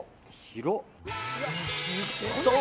そう！